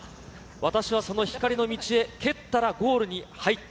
私はその光の道へ、蹴ったらゴールに入った。